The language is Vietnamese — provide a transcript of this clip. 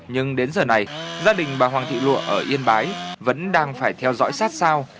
nhưng đến giờ này gia đình bà hoàng thị lụa ở yên bái vẫn đang phải theo dõi sát sao